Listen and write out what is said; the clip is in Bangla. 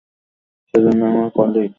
সেজন্যই আমার কলিগ এখন আমার বউ!